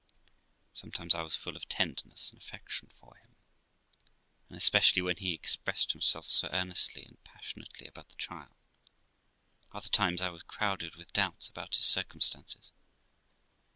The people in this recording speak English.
Sometimes I was full of tenderness and affection for him, and especially when he expressed himself so earnestly and passionately about the child ; other times I was crowded with doubts about his circum stances.